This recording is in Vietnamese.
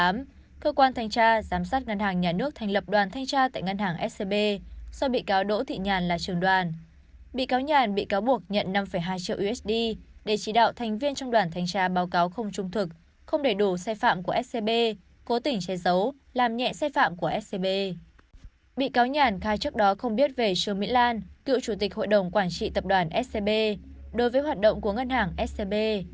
bị cáo nhàn khai trước đó không biết về trương mỹ lan cựu chủ tịch hội đồng quản trị tập đoàn scb đối với hoạt động của ngân hàng scb